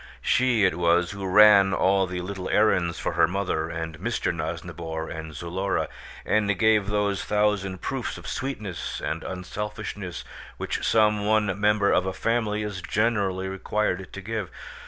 She it was who ran all the little errands for her mother and Mr. Nosnibor and Zulora, and gave those thousand proofs of sweetness and unselfishness which some one member of a family is generally required to give.